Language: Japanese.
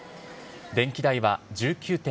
電気代は１９．６％